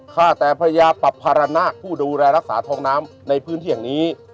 ฆ่าแต่พระยาปรับภารณะผู้ดูแลรักษาทองน้ำในพื้นที่แห่งนี้